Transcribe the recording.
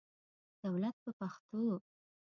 دولت په پښتو.